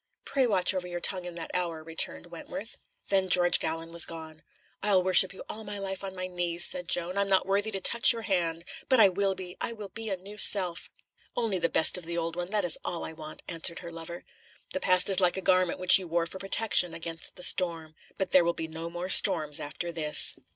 "Pray watch over your tongue in that hour," returned Wentworth. Then George Gallon was gone. "I'll worship you all my life on my knees," said Joan. "I'm not worthy to touch your hand. But I will be. I will be a new self." "Only the best of the old one, that is all I want," answered her lover. "The past is like a garment which you wore for protection against the storm. But there will be no more storms after this."